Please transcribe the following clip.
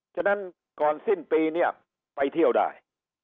ฉะนั้นก่อนสิ้นปีเนี่ยไปเที่ยวได้